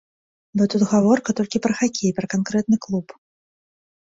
Бо тут гаворка толькі пра хакей, пра канкрэтны клуб.